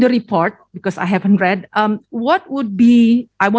dalam laporan karena saya belum membaca